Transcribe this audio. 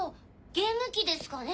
ゲーム機ですかね？